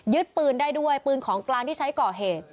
ปืนได้ด้วยปืนของกลางที่ใช้ก่อเหตุ